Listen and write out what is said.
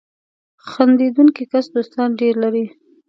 • خندېدونکی کس دوستان ډېر لري.